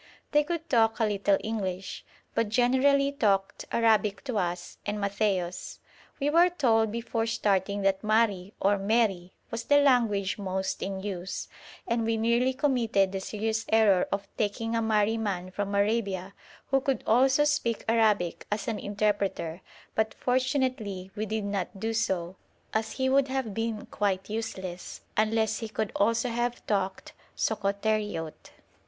They could talk a little English, but generally talked Arabic to us and Matthaios. We were told before starting that Mahri, or Mehri, was the language most in use, and we nearly committed the serious error of taking a Mahri man from Arabia, who could also speak Arabic, as an interpreter, but fortunately we did not do so, as he would have been quite useless, unless he could also have talked Sokoteriote.